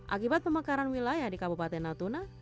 akibat pemekaran wilayah di kabupaten natuna